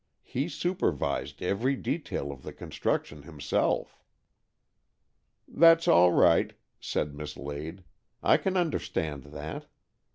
He supervised every detail of the construction himself." " That's all right," said Miss Lade. " I can understand that.